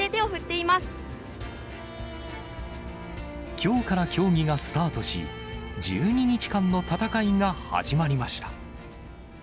きょうから競技がスタートし、１２日間の戦いが始まりました。